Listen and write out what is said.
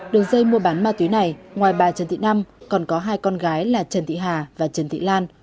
đường dây mua bán ma túy này ngoài bà trần thị năm còn có hai con gái là trần thị hà và trần thị lan